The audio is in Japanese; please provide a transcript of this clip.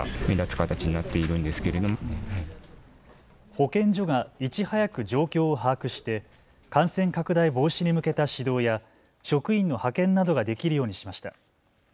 保健所がいち早く状況を把握して感染拡大防止に向けた指導や職員の派遣などができるようにしました。